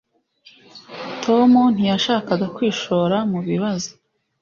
tom ntiyashakaga kwishora mu bibazo